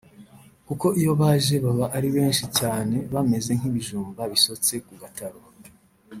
kuko iyo baje baba ari benshi cyane bameze nk’ibijumba bisotse ku gataro